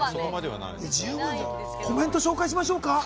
コメント紹介しましょうか。